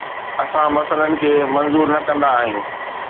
اسان مسئلن کي منظور نه ڪندا آهيون